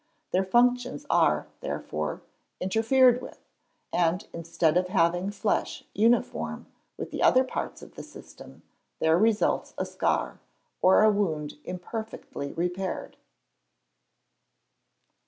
Their functions are, therefore, interfered with, and instead of having flesh uniform with the other parts of the system; there results a scar, or a wound imperfectly repaired.